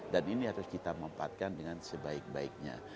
dan ini harus kita mempatkan dengan sebaik baiknya